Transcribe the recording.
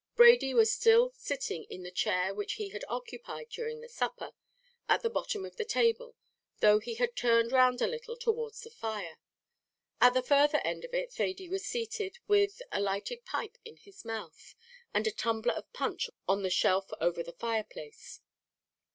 Brady was still sitting in the chair which he had occupied during the supper, at the bottom of the table, though he had turned round a little towards the fire. At the further end of it Thady was seated, with a lighted pipe in his mouth, and a tumbler of punch on the shelf over the fireplace.